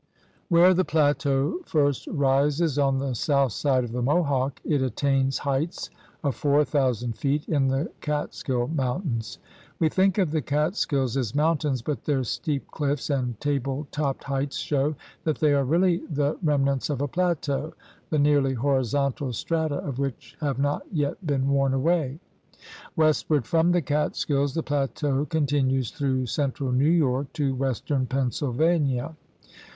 Where the plateau first rises on the south side of the Mo hawk, it attains heights of four thousand feet in the Catskill Mountains. We think of the Catskills as mountains, but their steep cliffs and table topped heights show that they are really the rem nants of a plateau, the nearly horizontal strata of which have not yet been worn away. Westward from the Catskills the plateau continues through central New York to western Pennsylvania.